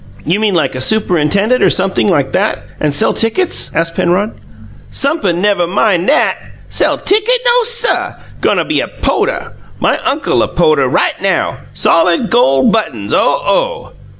"You mean like a superintendent, or sumpthing like that, and sell tickets?" asked Penrod. "Sup'in nev' min' nat! Sell ticket? NO suh! Go' be a PO'tuh! My uncle a po'tuh right now. Solid gole buttons oh, oh!"